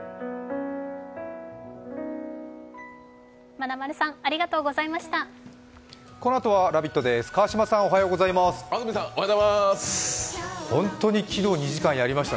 まなまるさんありがとうございました。